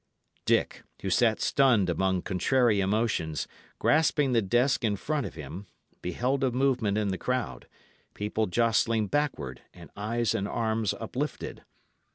Dick, who sat stunned among contrary emotions, grasping the desk in front of him, beheld a movement in the crowd, people jostling backward, and eyes and arms uplifted.